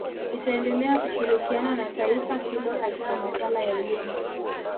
Itaendelea kushirikiana na taifa hilo katika maswala ya elimu